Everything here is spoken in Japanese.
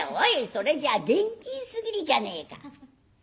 それじゃあ現金すぎるじゃねえか」。